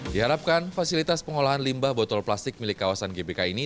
diharapkan fasilitas pengolahan limbah botol plastik milik kawasan gbk ini